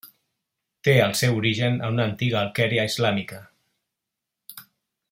Té el seu origen en una antiga alqueria islàmica.